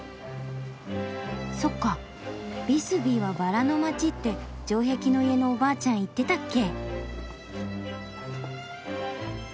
そっか「ビスビーはバラの街」って城壁の家のおばあちゃん言ってたっけ。